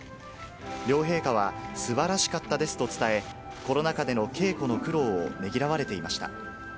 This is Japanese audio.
両陛下は、すばらしかったですと伝え、コロナ禍での稽古の苦労をねぎらわれていました。